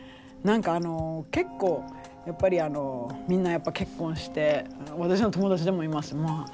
なんかあの結構やっぱりあのみんなやっぱ結婚して私の友達でもいます。